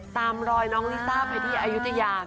ตามรอยน้องลิซ่าไปที่อายุทยา